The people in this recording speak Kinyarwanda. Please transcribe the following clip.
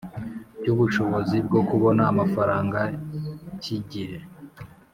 Cy ubushobozi bwo kubona amafaranga cy igihe